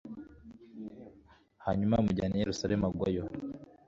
hanyuma bamujyana i yerusalemu+ agwayo